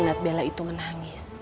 ngeliat bella itu menangis